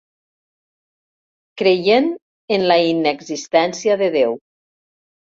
Creient en la inexistència de Déu.